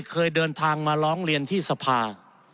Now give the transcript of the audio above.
เคยเดินทางมาร้องเรียนที่สภา